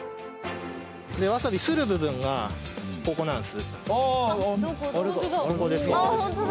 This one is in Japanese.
わさび、する部分がここなんです。